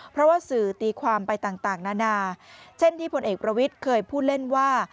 เพราะว่าสื่อตีความไปต่างนานาเช่นที่ผลเอกประวิทย์เคยพูดเล่นว่า